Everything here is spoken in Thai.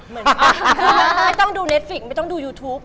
ไม่ต้องดูเนฟิกไม่ต้องดูยูทูป